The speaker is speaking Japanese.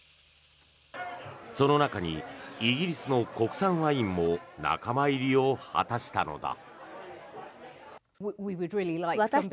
その中にイギリスの国産ワインも仲間入りを果たしたのだ。